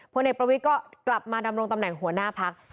พลเอกประวิทย์ก็กลับมาดำรงตำแหน่งหัวหน้าพัก